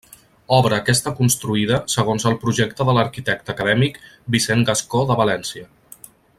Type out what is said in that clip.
Obra aquesta construïda segons el projecte de l'arquitecte acadèmic Vicent Gascó de València.